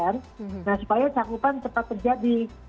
nah supaya cakupan cepat terjadi